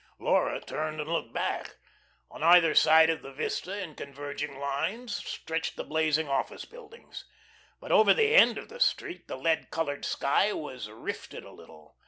Laura turned and looked back. On either side of the vista in converging lines stretched the blazing office buildings. But over the end of the street the lead coloured sky was rifted a little.